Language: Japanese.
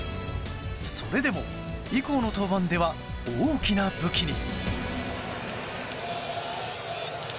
それでも以降の登板では大きな武器に。